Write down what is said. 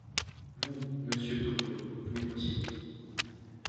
Vous, monsieur Topeau, vous m’écoutiez ?